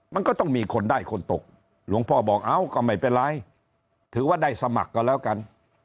มันก็ต้องมีคนได้คนตกหลวงพ่อบอกเอ้าก็ไม่เป็นไรถือว่าได้สมัครก็แล้วกัน